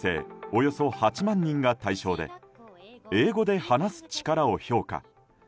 およそ８万人が対象で英語で話す力を評価。